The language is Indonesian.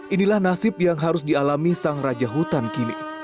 inilah nasib yang harus dialami sang raja hutan kini